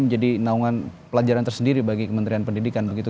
jadi naungan pelajaran tersendiri bagi kementerian pendidikan begitu